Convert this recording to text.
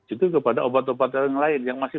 itu kepada obat obatan lain yang masih